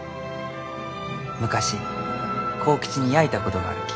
昔幸吉にやいたことがあるき。